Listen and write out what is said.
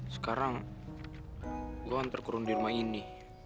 sekarang gua hantar kurun di rumah ini